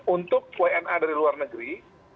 untuk wna dari luar negeri